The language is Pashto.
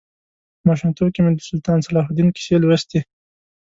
په ماشومتوب کې مې د سلطان صلاح الدین کیسې لوستې.